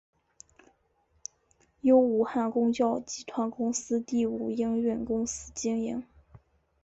由武汉公交集团公司第五营运公司经营。